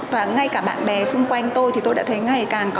và ngay cả bạn bè xung quanh tôi thì tôi đã thấy ngày càng có